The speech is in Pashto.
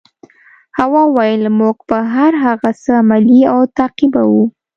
هوا وویل موږ به هر هغه څه عملي او تعقیبوو.